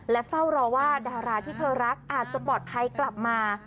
เฝ้ารอว่าดาราที่เธอรักอาจจะปลอดภัยกลับมา